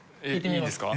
いいんですか？